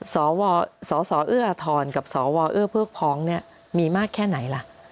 สอสอเอ้อทรกับสอวอเอ้อพวกพองนี้มีมากแค่ไหนล่ะ